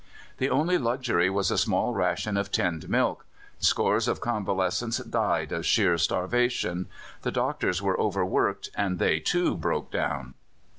The only luxury was a small ration of tinned milk. Scores of convalescents died of sheer starvation. The doctors were overworked, and they, too, broke down.